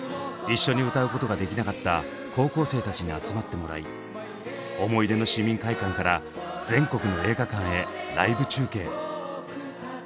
一緒に歌うことができなかった高校生たちに集まってもらい思い出の市民会館から全国の映画館へライブ中継。